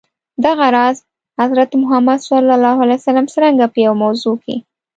دغه راز، حضرت محمد ص څرنګه په یوه موضوع کي.